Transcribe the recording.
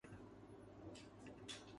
میری قبر کی مٹی سے بھی لوگ اینٹیں بنائی گے ۔